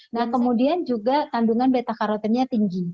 nah kemudian juga kandungan beta karotinnya tinggi